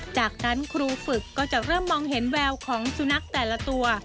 จากนั้นครูฝึกก็จะเริ่มมองเห็นแววของสุนัขแต่ละตัว